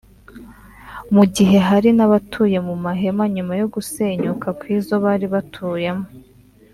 mu gihe hari n’abatuye mu mahema nyuma yo gusenyuka kw’izo bari batuyemo